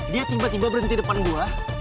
dia tiba tiba berhenti depan gue